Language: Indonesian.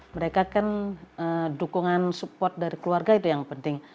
mereka kan dukungan support dari keluarga itu yang penting